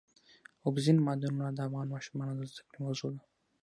اوبزین معدنونه د افغان ماشومانو د زده کړې موضوع ده.